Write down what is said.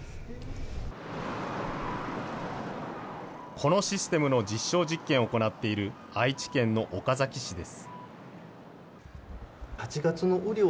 このシステムの実証実験を行っている愛知県の岡崎市です。